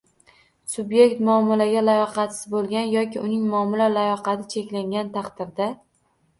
Subyekt muomalaga layoqatsiz bo‘lgan yoki uning muomala layoqati cheklangan taqdirda